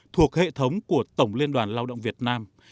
thuộc hệ thống của tổng liên đoàn lao động việt nam